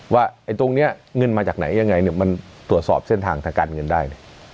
ว่าตรงนี้เงินมาจากไหนยังไงเนี่ยมันตรวจสอบเส้นทางทางการเงินได้